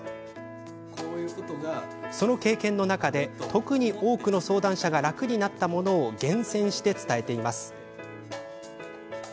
その経験の中で特に多くの相談者が楽になったものを厳選して伝えています。